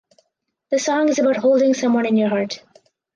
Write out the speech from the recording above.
The song is about holding someone in your heart.